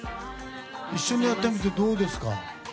一緒にやってみてどうですか？